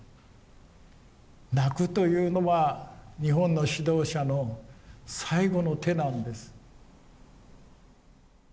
泣くというのは日本の指導者の最後の手なんです。